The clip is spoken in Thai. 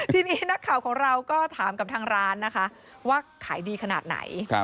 ทีนี้นักข่าวของเราก็ถามกับทางร้านนะคะว่าขายดีขนาดไหน